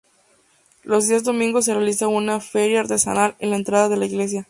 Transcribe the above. Los días domingos se realiza una feria artesanal a la entrada de la Iglesia.